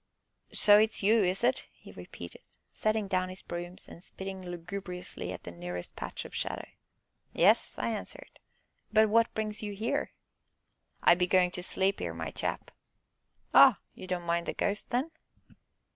"So it's you, is it?" he repeated, setting down his brooms and spitting lugubriously at the nearest patch of shadow. "Yes," I answered, "but what brings you here?" "I be goin' to sleep 'ere, my chap." "Oh! you don't mind the ghost, then?"